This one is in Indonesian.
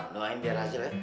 doain dia raziel ya